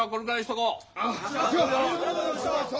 頭ありがとうございました！